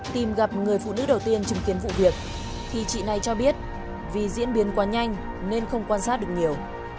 tìm gặp người phụ nữ đầu tiên chứng kiến vụ việc thì chị này cho biết vì diễn biến quá nhanh nên không quan sát được nhiều